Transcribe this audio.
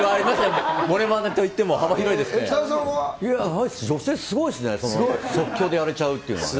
ものまねといっても幅広いで北澤さんは。女性、すごいですね、即興でやれちゃうっていうのはね。